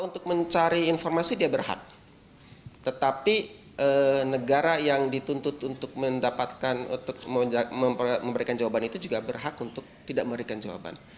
untuk mendapatkan untuk memberikan jawaban itu juga berhak untuk tidak memberikan jawaban